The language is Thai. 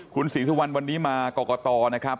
คุณศรีสุวรรณวันนี้มากรกตนะครับ